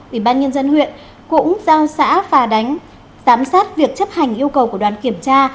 ủy ban nhân dân huyện cũng giao xã phà đánh giám sát việc chấp hành yêu cầu của đoàn kiểm tra